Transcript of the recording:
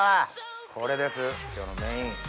これです今日のメイン。